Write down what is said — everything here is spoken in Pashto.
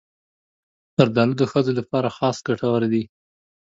زردالو د ښځو لپاره خاص ګټور دی.